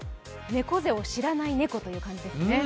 猫背を知らない猫という感じですね。